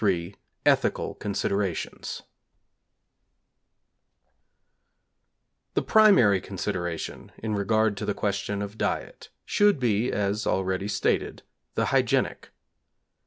III ETHICAL CONSIDERATIONS The primary consideration in regard to the question of diet should be, as already stated, the hygienic.